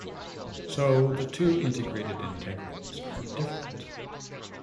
So the two iterated integrals are different.